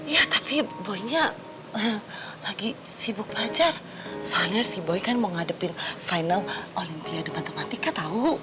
ya tapi boynya lagi sibuk belajar soalnya si boy kan mau ngadepin final olimpiade matematika tau